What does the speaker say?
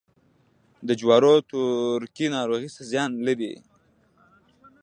د جوارو تورکي ناروغي څه زیان لري؟